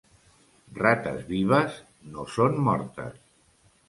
Rates vives no són mortes.